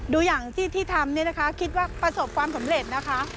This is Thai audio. ดูอย่างที่ทำเนี่ยนะคะคิดว่าประสบความสำเร็จนะคะ